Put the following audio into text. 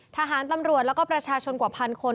ทหารตำรวจแล้วก็ประชาชนกว่าพันคน